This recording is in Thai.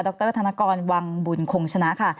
รธนกรวังบุญคงชนะค่ะ